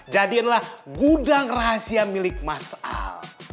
jadiinlah gudang rahasia milik mas al